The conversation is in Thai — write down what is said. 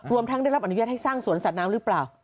ทั้งได้รับอนุญาตให้สร้างสวนสัตว์น้ำหรือเปล่า